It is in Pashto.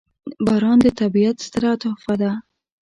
• باران د طبیعت ستره تحفه ده.